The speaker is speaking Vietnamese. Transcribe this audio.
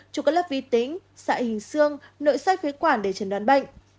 chụp các lớp vi tính xạ hình xương nội xách với quản để chấn đoán bệnh